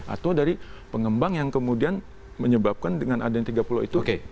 atau dari pengembang yang kemudian menyebabkan dengan adanya tiga pulau itu